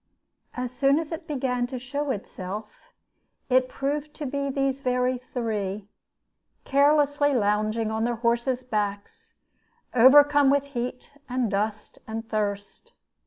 As soon as it began to show itself, it proved to be these very three, carelessly lounging on their horses' backs, overcome with heat and dust and thirst.